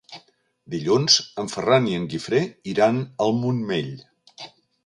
Dilluns en Ferran i en Guifré iran al Montmell.